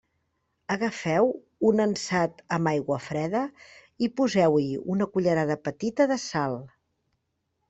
Agafeu un ansat amb aigua freda i poseu-hi una cullerada petita de sal.